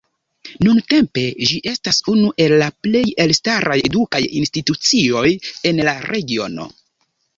Nuntempe ĝi estas unu el la plej elstaraj edukaj institucioj en la regiono.